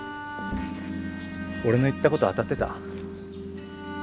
俺の言ったこと当たってた？